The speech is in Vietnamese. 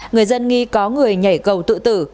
người dân nghi có người nhảy cầu tự tử